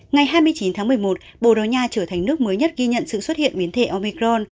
ngày hai mươi chín tháng một mươi một bồ đào nha trở thành nước mới nhất ghi nhận sự xuất hiện biến thể omicron